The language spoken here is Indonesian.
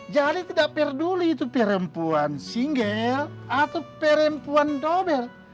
jadi tidak peduli itu perempuan single atau perempuan dobel